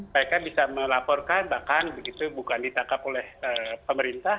mereka bisa melaporkan bahkan begitu bukan ditangkap oleh pemerintah